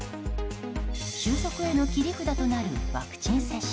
収束への切り札となるワクチン接種。